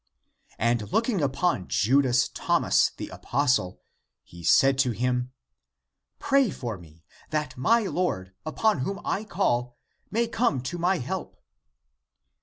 And looking upon Judas Thomas the apostle, he said to him, " Pray for me, that my Lord, upon whom I call, may come to my help."